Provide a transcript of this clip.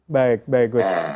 baik baik gus